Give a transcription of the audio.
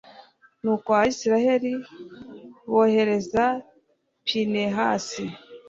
nuko abayisraheli bohereza pinehasi